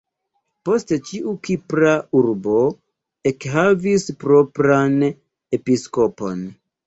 Poste ĉiu kipra urbo ekhavis propran episkopon.